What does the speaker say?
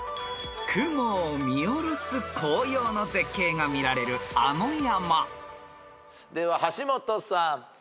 ［雲を見下ろす紅葉の絶景が見られるあの山］では橋本さん。